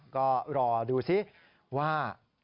ก็รอดูซิว่า